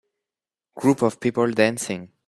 Group of people dancing